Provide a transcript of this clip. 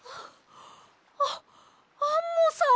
はっアアンモさん！